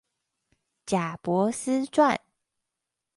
賈伯斯傳